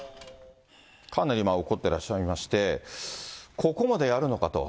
かなり今、怒ってらっしゃいまして、ここまでやるのかと。